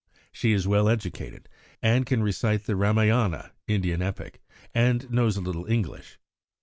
She is well educated, can recite the 'Ramayana' (Indian epic), and knows a little English.